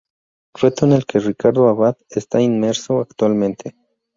Reto en el que Ricardo Abad está inmerso actualmente.